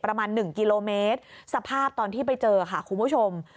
ประมาณ๑กิโลเมตรสภาพตอนที่ไปเจอค่ะคุณผู้ชม